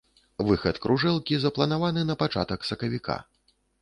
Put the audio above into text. Выхад кружэлкі запланаваны на пачатак сакавіка.